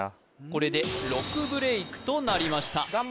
これで６ブレイクとなりました